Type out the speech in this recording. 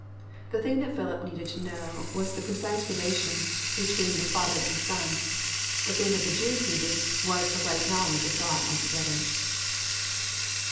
The thing that Philip needed to know was the precise relation between the Father and Son. The thing that the Jews needed was a right knowledge of God alto gether.